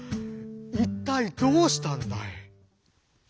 一体どうしたんだい？」。